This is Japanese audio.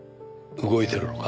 動いてるのか？